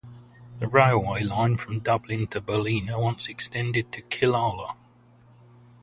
The railway line from Dublin to Ballina once extended to Killala.